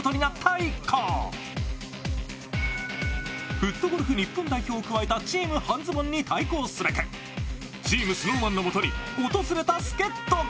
フットゴルフ日本代表を加えたチーム半ズボンに対抗すべくチームＳｎｏｗＭａｎのもとに訪れた助っとが。